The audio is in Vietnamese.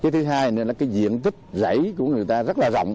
thứ hai là diện tích rảy của người ta rất là rộng